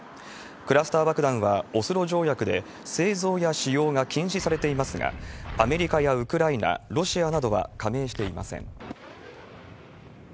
クラスター爆弾はオスロ条約で製造や使用が禁止されていますが、アメリカやウクライナ、ロシアなどは加盟していません。